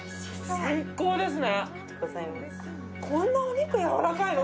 最高ですね。